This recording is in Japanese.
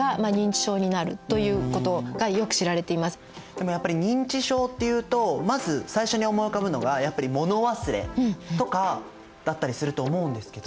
でもやっぱり認知症っていうとまず最初に思い浮かぶのがやっぱり物忘れとかだったりすると思うんですけど。